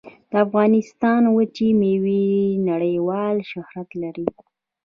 د افغانستان وچې میوې نړیوال شهرت لري